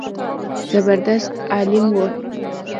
زبردست عالم و.